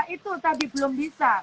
itu tadi belum bisa